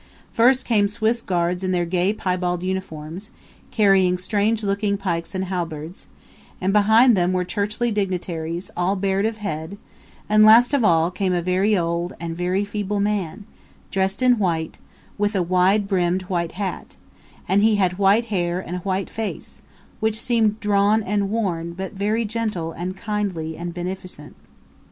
First came Swiss Guards in their gay piebald uniforms, carrying strange looking pikes and halberds; and behind them were churchly dignitaries, all bared of head; and last of all came a very old and very feeble man, dressed in white, with a wide brimmed white hat and he had white hair and a white face, which seemed drawn and worn, but very gentle and kindly and beneficent.